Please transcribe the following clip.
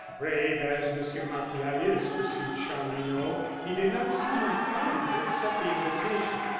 "Brave as Monsieur Martial is," pursued Chanlouineau, "he did not seem inclined to accept the invitation.